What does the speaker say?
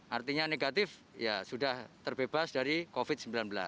artinya negatif ya sudah terbebas dari covid sembilan belas